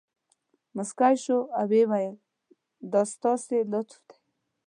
مسکی شو او ویې ویل دا ستاسې لطف دی.